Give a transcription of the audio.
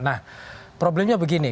nah problemnya begini